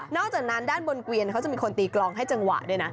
อกจากนั้นด้านบนเกวียนเขาจะมีคนตีกลองให้จังหวะด้วยนะ